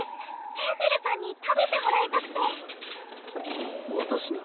フェンネルさんに食べてもらいたくてわたしに？